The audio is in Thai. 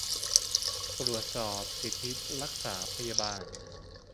ตรวจสอบสิทธิรักษาพยาบาล